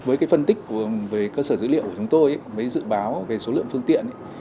với cái phân tích về cơ sở dữ liệu của chúng tôi với dự báo về số lượng phương tiện